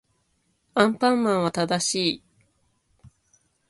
アンパンマンは正しい